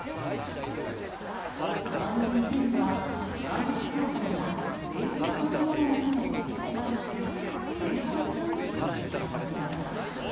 代わりに政府は、万博協会がベースの建物を建てて引き渡すプレハブ方式を提案しています。